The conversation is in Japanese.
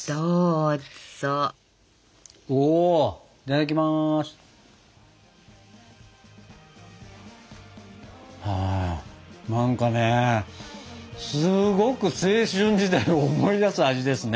あ何かねすごく青春時代を思い出す味ですね。